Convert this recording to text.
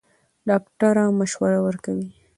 ډاکټره مشوره ورکوي.